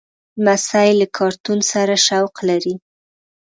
لمسی له کارتون سره شوق لري.